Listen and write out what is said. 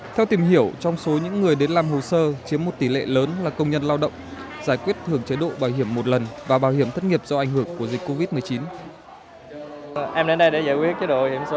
theo tìm hiểu trong số những người đến làm hồ sơ chiếm một tỷ lệ lớn là công nhân lao động giải quyết hưởng chế độ bảo hiểm một lần và bảo hiểm thất nghiệp do ảnh hưởng của dịch covid một mươi chín